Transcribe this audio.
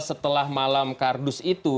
setelah malam kardus itu